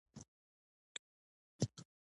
له همدې کبله د قهوې د تولید کچه خورا لوړه شوه.